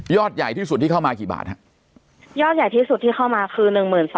ใหญ่ที่สุดที่เข้ามากี่บาทฮะยอดใหญ่ที่สุดที่เข้ามาคือ๑๒๐๐